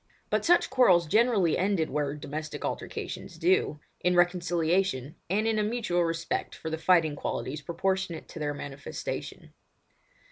But such quarrels generally ended where domestic altercations do, in reconciliation, and in a mutual respect for the fighting qualities proportionate to their manifestation.